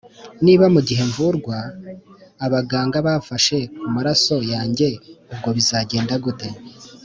niba mu gihe mvurwa abaganga bafashe ku maraso yange ubwo bizagenda gute